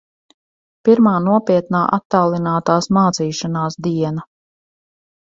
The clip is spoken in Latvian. Pirmā nopietnā attālinātās mācīšanās diena...